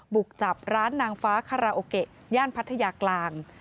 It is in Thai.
บุกจับร้านนางฟ้าคาราโอเกะย่านพัทยากลาง